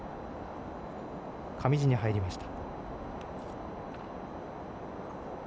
上地に入りました。